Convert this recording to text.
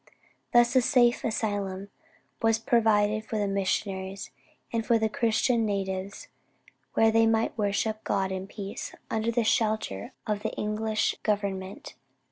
Thus a safe asylum was provided for the missionaries, and for the Christian natives where they might worship God in peace, under the shelter of the English government."